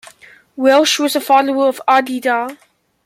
Welsh was a follower of Adi Da.